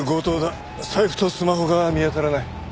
財布とスマホが見当たらない。